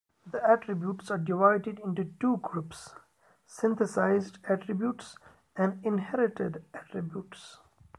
The attributes are divided into two groups: "synthesized" attributes and "inherited" attributes.